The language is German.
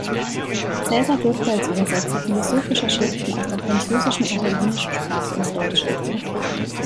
Caesar wirkte als Übersetzer philosophischer Schriften aus der französischen und italienischen Sprache ins Deutsche.